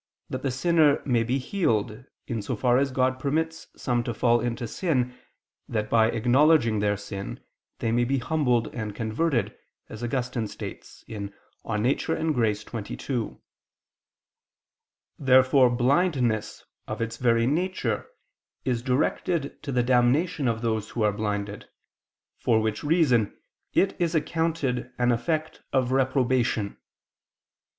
that the sinner may be healed, in so far as God permits some to fall into sin, that by acknowledging their sin, they may be humbled and converted, as Augustine states (De Nat. et Grat. xxii). Therefore blindness, of its very nature, is directed to the damnation of those who are blinded; for which reason it is accounted an effect of reprobation.